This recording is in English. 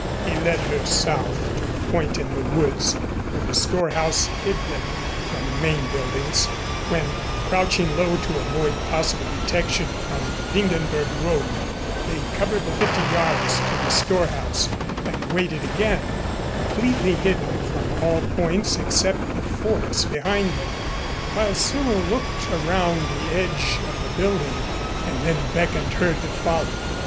He led her south to a point in the woods where the storehouse hid them from the main buildings, when, crouching low to avoid possible detection from the Windenberg road, they covered the fifty yards to the storehouse and waited again, completely hidden from all points except the forest behind them, while Cyril looked around the edge of the building, and then beckoned to her to follow.